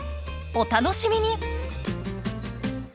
お楽しみに！